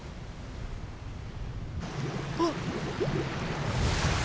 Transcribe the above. あっ！